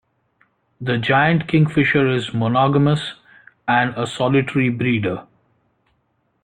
The giant kingfisher is monogamous and a solitary breeder.